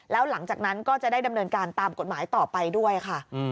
แล้วหลังจากนั้นก็จะได้ดำเนินการตามกฎหมายต่อไปด้วยค่ะ